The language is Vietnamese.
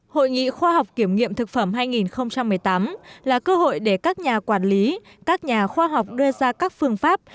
hội nghị khoa học kiểm nghiệm thực phẩm hai nghìn một mươi tám là cơ hội để các nhà quản lý các nhà khoa học đưa ra các phương pháp